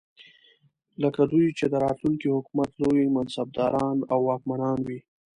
لکه دوی چې د راتلونکي حکومت لوی منصبداران او واکمنان وي.